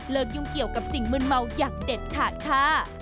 ยุ่งเกี่ยวกับสิ่งมืนเมาอย่างเด็ดขาดค่ะ